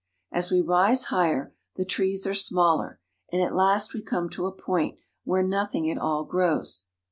As we rise higher, the trees are smaller, and at last we come to a point where nothing at all grows.